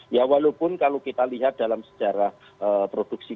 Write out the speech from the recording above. ya walaupun kalau kita lihat dalam sejarah produksi